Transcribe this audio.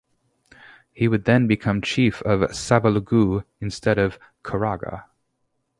He would then become chief of Savelugu instead of Karaga.